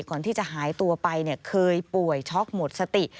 ก่อนที่จะหายตัวไปเคยป่วยช็อกหมดสติ